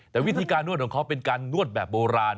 แต่วิธีการนวดของเขาเป็นการนวดแบบโบราณ